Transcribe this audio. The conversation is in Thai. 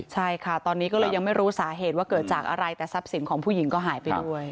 ใช่ค่ะตอนนี้ก็เลยยังไม่รู้สาเหตุว่าเกิดจากอะไรแต่ทรัพย์สินของผู้หญิงก็หายไปด้วย